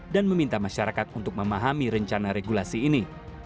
dan meminta masyarakat untuk memahami rencana regulasi ini